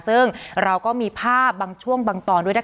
ซึ่งเราก็มีภาพบางช่วงบางตอนด้วยนะคะ